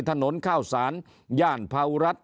ถนนข้าวสารย่านภาวรัฐ